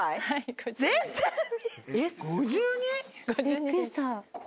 びっくりした。